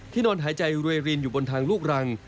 นอนหายใจรวยรินอยู่บนทางลูกรัง